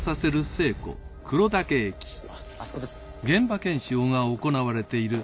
あそこです。